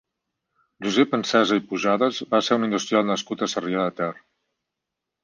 Josep Ensesa i Pujadas va ser un industrial nascut a Sarrià de Ter.